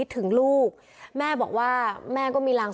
เบอร์ลูอยู่แบบนี้มั้งเยอะมาก